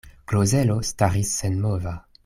Klozelo staris senmova.